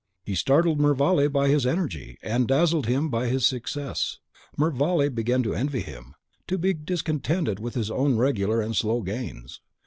He startled Mervale by his energy, and dazzled him by his success. Mervale began to envy him, to be discontented with his own regular and slow gains.